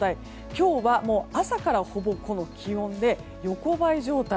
今日は、朝からほぼこの気温で横ばい状態。